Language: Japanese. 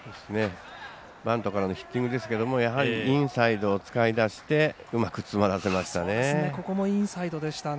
バントからのヒッティングですがインサイドを使い出してうまく詰まらせましたね。